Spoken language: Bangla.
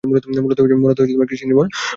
মূলত কৃৃৃৃষিনির্ভর।